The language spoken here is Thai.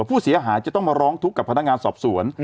ผู้ต้องหาจะต้องมาร้องทุกข์กับพนักงานสอบสวน